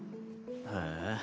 へえ。